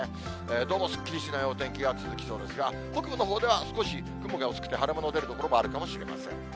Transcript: どうもすっきりしないお天気が続きそうですが、北部のほうでは少し雲が薄くて晴れ間の出る所もあるかもしれません。